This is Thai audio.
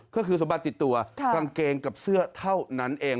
ก็คือสมบัติติดตัวกางเกงกับเสื้อเท่านั้นเอง